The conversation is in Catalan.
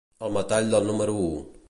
El metall del número u.